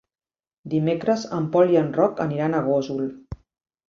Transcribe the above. Dimecres en Pol i en Roc aniran a Gósol.